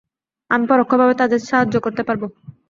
আমি পরোক্ষভাবে তাদের সাহায্য করতে পারব।